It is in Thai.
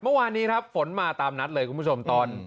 เมื่อวานนี้ครับฝนมาตามนัดเลยคุณผู้ชมตอน